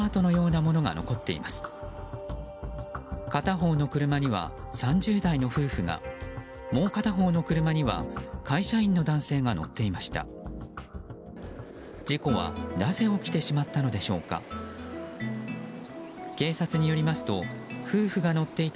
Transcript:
もう片方の車には会社員の男性が乗っていました。